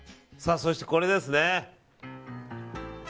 そしてこれですね。